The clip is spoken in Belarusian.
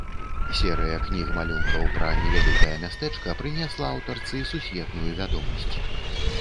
Серыя кніг-малюнкаў пра невялікае мястэчка прынесла аўтарцы сусветную вядомасць.